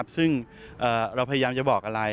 ซึ่งเราพยายามจะบอกอะไร